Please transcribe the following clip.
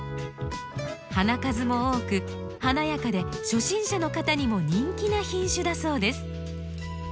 花数も多く華やかで初心者の方にも人気な品種だそうです。